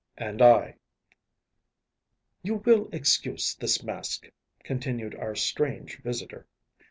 “And I.‚ÄĚ “You will excuse this mask,‚ÄĚ continued our strange visitor.